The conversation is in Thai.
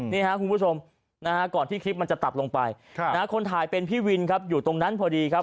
นี่ครับคุณผู้ชมก่อนที่คลิปมันจะตับลงไปคนถ่ายเป็นพี่วินครับอยู่ตรงนั้นพอดีครับ